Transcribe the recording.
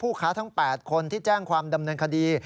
ค้าทั้ง๘คนที่แจ้งความดำเนินคดี